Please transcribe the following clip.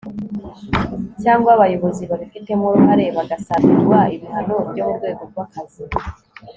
cyangwa abayobozi babifitemo uruhare bagasabirwa ibihano byo mu rwego rw'akazi